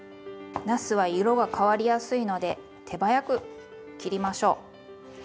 なすは色が変わりやすいので手早く切りましょう。